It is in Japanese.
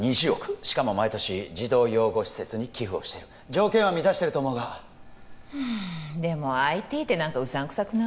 しかも毎年児童養護施設に寄付をしている条件は満たしてると思うがうんでもＩＴって何かうさんくさくない？